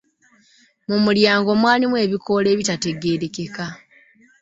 Mu mulyango mwalimu ebikoola ebitategeerekeka.